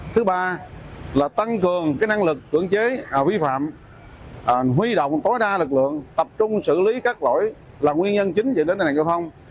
thứ ba là tăng cường năng lực cưỡng chế vi phạm huy động tối đa lực lượng tập trung xử lý các lỗi là nguyên nhân chính dẫn đến tai nạn giao thông